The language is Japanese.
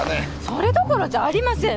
それどころじゃありません。